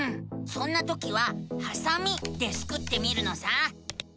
そんなときは「はさみ」でスクってみるのさ！